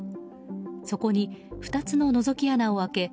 そこに２つののぞき穴を開け